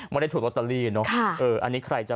ไม่ได้ถูกลอตเตอรี่เนอะ